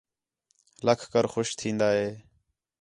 لَکھ کر خوش تِھین٘دا ہِے